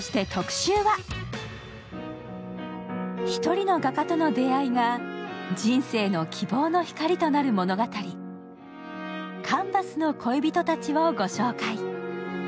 １人の画家との出会いが人生の希望の光となる物語、「カンヴァスの恋人たち」をご紹介。